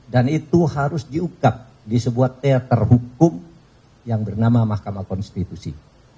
dan itu harus diungkap di sebuah teater hukum yang bernama mahkamah konstitusi